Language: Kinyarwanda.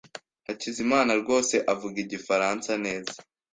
Hakizimana rwose avuga igifaransa neza.